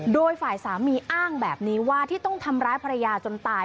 โดยฝ่ายสามีอ้างแบบนี้ว่าที่ต้องทำร้ายภรรยาจนตาย